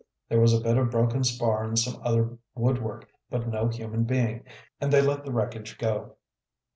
There was a bit of broken spar and some other woodwork, but no human being, and they let the wreckage go.